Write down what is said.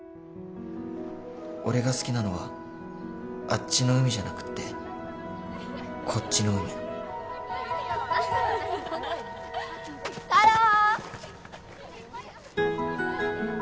俺が好きなのはあっちの「海」じゃなくてこっちの「うみ」たろー！